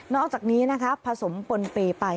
อกจากนี้นะคะผสมปนเปย์ไป